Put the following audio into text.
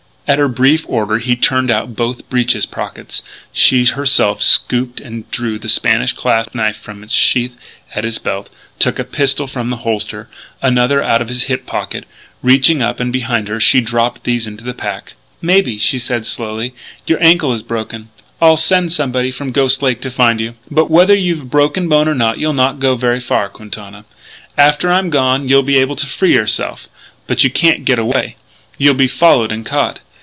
At her brief order he turned out both breeches pockets. She herself stooped and drew the Spanish clasp knife from its sheath at his belt, took a pistol from the holster, another out of his hip pocket. Reaching up and behind her, she dropped these into the pack. "Maybe," she said slowly, "your ankle is broken. I'll send somebody from Ghost Lake to find you. But whether you've a broken bone or not you'll not go very far, Quintana.... After I'm gone you'll be able to free yourself. But you can't get away. You'll be followed and caught....